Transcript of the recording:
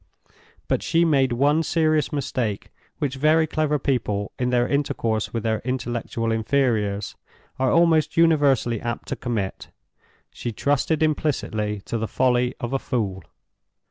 But she made one serious mistake which very clever people in their intercourse with their intellectual inferiors are almost universally apt to commit—she trusted implicitly to the folly of a fool.